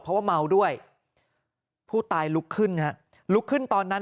เพราะว่าเมาด้วยผู้ตายลุกขึ้นฮะลุกขึ้นตอนนั้น